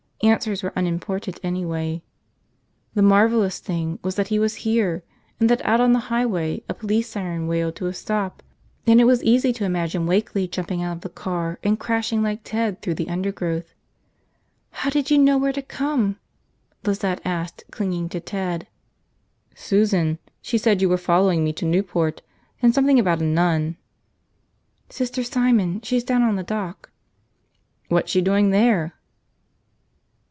Answers were unimportant, anyway. The marvelous thing was that he was here, and that out on the highway a police siren wailed to a stop and it was easy to imagine Wakeley jumping out of the car and crashing like Ted through the undergrowth. "How did you know where to come?" Lizette asked, clinging to Ted. "Susan. She said you were following me to Newport. And something about a nun." "Sister Simon. She's down on the dock." "What's she doing there?"